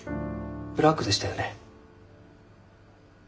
ブラックでしたよね。